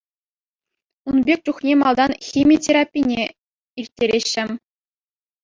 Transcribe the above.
Ун пек чухне малтан хими терапине ирттереҫҫӗ.